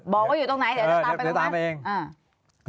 บอกว่าอยู่ตรงไหนเดี๋ยวตามไปตรงไหนเดี๋ยวตามไปเองอ่า